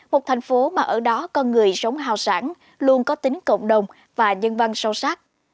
một thành phố mà ở đó con người sống hào sản luôn có tính cộng đồng và nhân văn sâu sắc